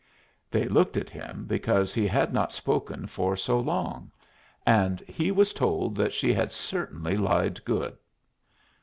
They looked at him, because he had not spoken for so long; and he was told that she had certainly lied good.